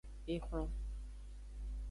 Exlon.